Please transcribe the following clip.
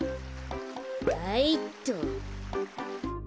はいっと。